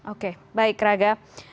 oke baik raga